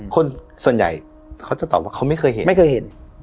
คนส่วนใหญ่เขาจะตอบว่าเขาไม่เคยเห็นไม่เคยเห็น